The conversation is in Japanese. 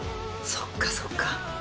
そっかそっか。